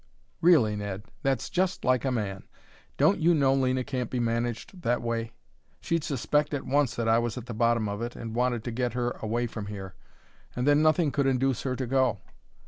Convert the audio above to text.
"Really, Ned, that's just like a man! Don't you know Lena can't be managed that way? She'd suspect at once that I was at the bottom of it and wanted to get her away from here, and then nothing could induce her to go.